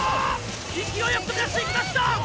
勢いよく飛び出していきました！